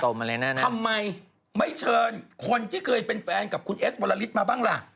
ทำไมไม่เชิญคนที่เคยเป็นแฟนกับคุณเอสวรลิศมาบ้างล่ะ